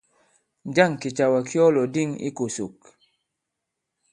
Njâŋ kìcàwà ki ɔ lɔ̀dîŋ ikòsòk?